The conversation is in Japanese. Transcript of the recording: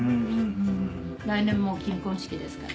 来年もう金婚式ですから。